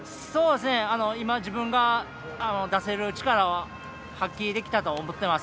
今、自分が出せる力を発揮できたと思っています。